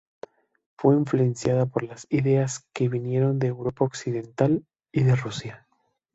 Fue influenciada por las ideas que vinieron de Europa Occidental, y de Rusia.